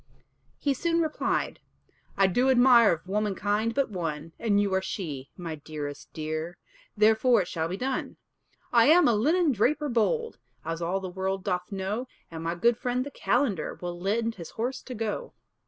He soon replied, "I do admire Of womankind but one, And you are she, my dearest dear. Therefore it shall be done. "I am a linen draper bold, As all the world doth know, And my good friend the calender Will lend his horse to go."